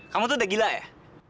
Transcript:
kamu tuh udah gila ya